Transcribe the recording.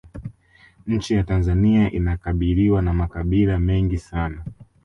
nchi ya tanzania inakabiriwa na makabila mengi sana